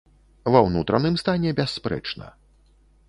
Ва ўнутраным стане бясспрэчна.